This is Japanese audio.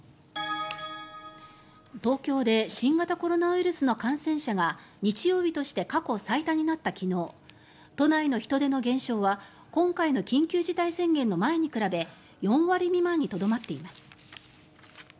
東京で新型コロナウイルスの感染者が日曜日として過去最多になった昨日都内の人出の減少は今回の緊急事態宣言の前に比べ４割未満にとどまっています。